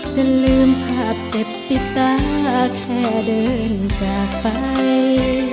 จะลืมภาพเจ็บปิดตาแค่เดินจากไป